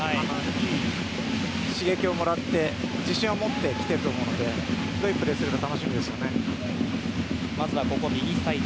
いい刺激をもらって自信を持ってきていると思うのでどういうプレーをするか楽しみですね。